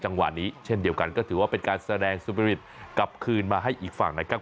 จังหวะนี้เช่นเดียวกันก็ถือว่าเป็นการแสดงสุบริตกลับคืนมาให้อีกฝั่งนะครับ